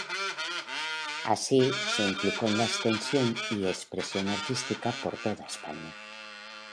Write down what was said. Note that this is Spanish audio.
Así, se implicó en la extensión y expresión artística por toda España.